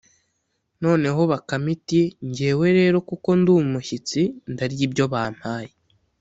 noneho bakame iti njyewe rero kuko ndi umushyitsi ndarya ibyo bampaye,